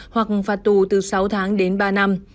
hoặc phạt tù từ sáu tháng đến ba năm